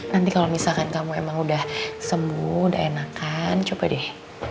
nanti kalau misalkan kamu emang udah sembuh udah enakan coba deh